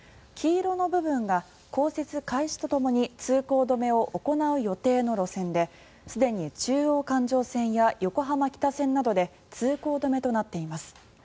黄色の部分が降雪開始とともに通行止めを行う予定の路線ですでに中央環状線や横浜北線などで通行止めとなっています。